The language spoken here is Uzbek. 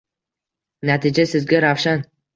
Natija sizga ravshan